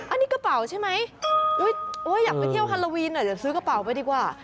อันนี้กระเป๋าใช่ไหมอยากไปเที่ยวฮาโลวีนอยากซื้อกระเป๋าไปดีกว่า